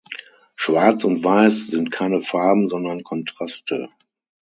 Schwarz und weiss sind keine Farben sondern Kontraste.